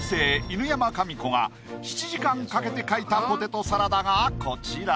犬山紙子が７時間かけて描いたポテトサラダがこちら。